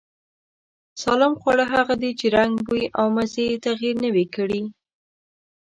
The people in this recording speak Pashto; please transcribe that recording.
سالم خواړه هغه دي چې رنگ، بوی او مزې يې تغير نه وي کړی.